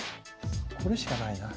これしかないな。